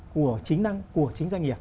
của chính doanh nghiệp